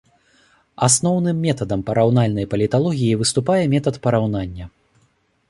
Асноўным метадам параўнальнай паліталогіі выступае метад параўнання.